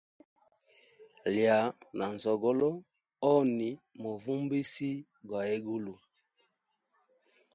Iya na nzogolo, oni muvumbusi gwa egulu.